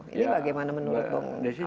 ini bagaimana menurut bung afred